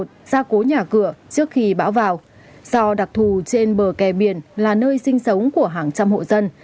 trước khi bão vào do đặc thù trên bờ kẻ biển là nơi sinh sống của hàng trăm hộ dân